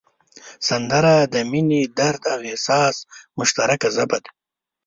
سندره د مینې، درد او احساس مشترکه ژبه ده